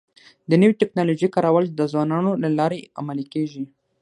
د نوې ټکنالوژۍ کارول د ځوانانو له لارې عملي کيږي.